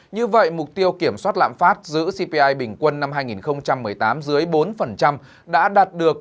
như vậy mục tiêu kiểm soát lạm phát giữ cpi bình quân năm hai nghìn một mươi tám dưới bốn đã đạt được